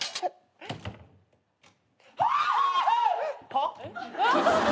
はっ？